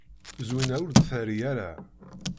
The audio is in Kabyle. Zwina ur d-terri ara.